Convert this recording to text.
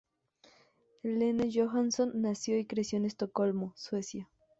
Helena Johansson nació y creció en Estocolmo, Suecia.